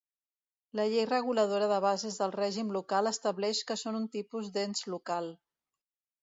La Llei Reguladora de Bases del Règim Local estableix que són un tipus d'ens local.